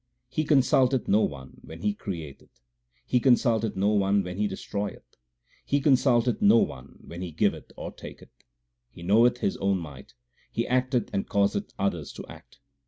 He consulteth no one when He createth ; He consulteth no one when He destroyeth ; He consulteth no one when He giveth or taketh. He knoweth His own might ; He acteth and causeth others to act.